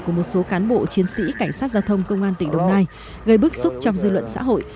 của một số cán bộ chiến sĩ cảnh sát giao thông công an tỉnh đồng nai gây bức xúc trong dư luận xã hội